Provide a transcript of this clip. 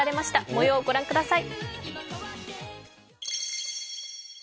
もようをご覧ください。